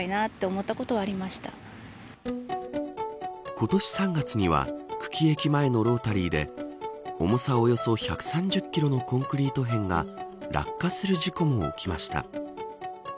今年３月には久喜駅前のロータリーで重さおよそ１３０キロのコンクリート片が落下する事故も起きました。